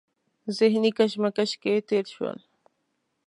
ذهني کشمکش کې تېر شول.